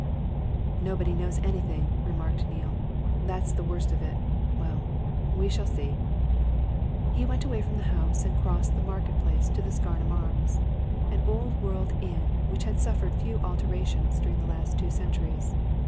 "Nobody knows anything," remarked Neale. "That's the worst of it. Well we shall see." He went away from the house and crossed the Market Place to the Scarnham Arms, an old world inn which had suffered few alterations during the last two centuries.